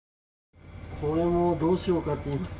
これもどうしようかと。